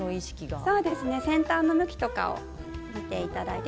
先端の向きを見ていただいて